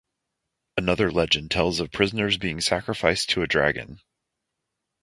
Another legend tells of prisoners being sacrificed to a dragon.